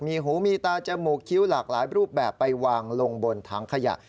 มีหูมีตาจมูกคิ้วหลากหลายรูปแบบไปวางลงบนถังขยะ